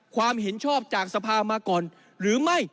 ความเห็นชอบจากสภามาก่อนหรือไม่